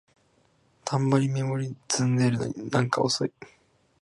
たんまりメモリ積んでるのになんか遅い